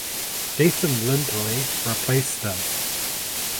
Jason Lindley replaced him.